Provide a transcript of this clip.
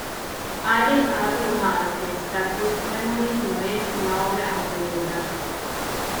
Allen ha afirmado que "Stardust Memories" no es una obra autobiográfica.